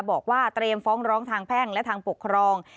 บอกว่าเตรียมฟ้องร้องทางแพ่งและทางปกครอง